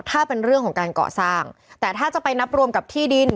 ถ้าเป็นเรื่องของการก่อสร้างแต่ถ้าจะไปนับรวมกับที่ดิน